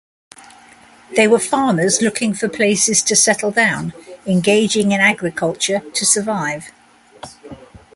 They were farmers looking for places to settle down, engaging in agriculture to survive.